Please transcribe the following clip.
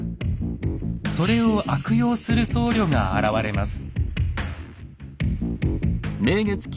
それを悪用する僧侶が現れます。